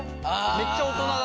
めっちゃ大人だね。